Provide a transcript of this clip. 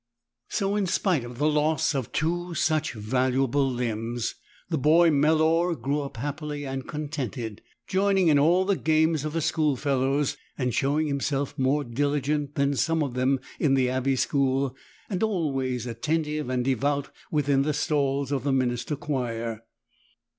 7 So in spite of the loss of two such valuable limbs, the boy Melor grew up happy and contented, joining in all the games of his schoolfellows, and showing himself more diligent than some of them in the abbey school, and always attentive and devout within the stalls of the minster choir.